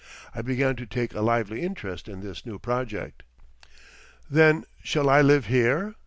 I began to take a lively interest in this new project. "Then shall I live here?"